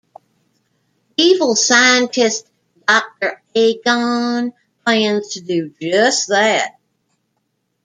Evil scientist Doctor Agon plans to do just that.